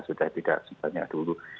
sudah tidak sebanyak dulu